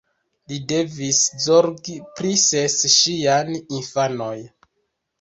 Li devis zorgi pri ses ŝiaj infanoj.